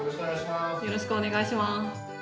よろしくお願いします。